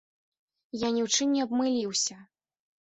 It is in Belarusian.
Я ні ў чым не абмыліўся!